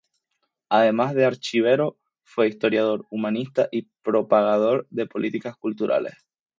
Además de archivero, fue historiador, humanista y propagador de políticas culturales.